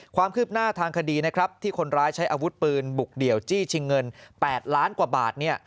ความคืบหน้าทางคดีนะครับที่คนร้ายใช้อาวุธปืนบุกเดี่ยวจี้ชิงเงิน๘ล้านกว่าบาท